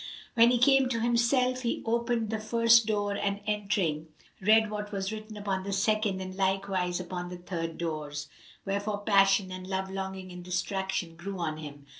When he came to himself, he opened the first door and entering, read what was written upon the second and likewise upon the third doors; wherefore passion and love longing and distraction grew on him.